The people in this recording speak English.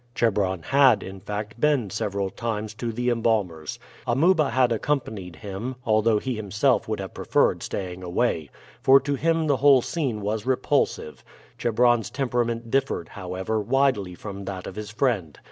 Chebron had, in fact, been several times to the embalmer's. Amuba had accompanied him, although he himself would have preferred staying away, for to him the whole scene was repulsive. Chebron's temperament differed, however, widely from that of his friend.